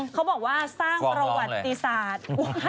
เขาบอกว่าสร้างประวัติศาสตร์